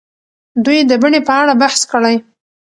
دوی د بڼې په اړه بحث کړی.